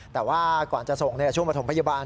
แต่ว่าก่อนจะส่งช่วงประถมพยาบาล